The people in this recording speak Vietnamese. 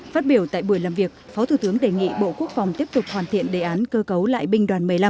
phát biểu tại buổi làm việc phó thủ tướng đề nghị bộ quốc phòng tiếp tục hoàn thiện đề án cơ cấu lại binh đoàn một mươi năm